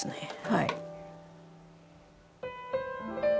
はい。